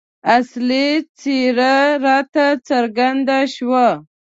اصلي څېره راته څرګنده شوه.